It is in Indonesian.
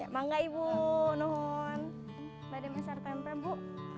mangga ibu nungun berapa harga tempe bu